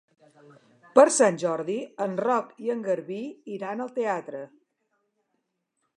Per Sant Jordi en Roc i en Garbí iran al teatre.